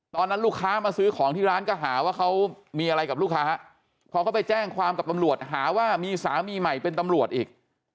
ตอนนั้นลูกค้ามาซื้อของที่ร้านก็หาว่าเขามีอะไรกับลูกค้าพอเขาไปแจ้งความกับตำรวจหาว่ามีสามีใหม่เป็นตำรวจอีก